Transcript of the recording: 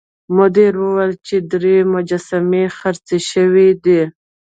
مدیر وویل چې درې مجسمې خرڅې شوې دي.